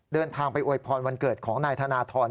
เดินทางไปอวยพรวันเกิดของนายธนทร